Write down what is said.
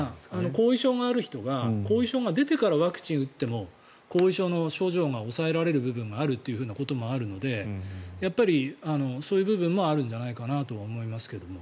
後遺症がある人が後遺症が出てからワクチンを打っても後遺症の症状が抑えられる部分があるのでやっぱりそういう部分もあるんじゃないかなと思いますけど。